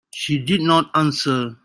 She did not answer.